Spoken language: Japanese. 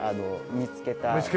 見つけた。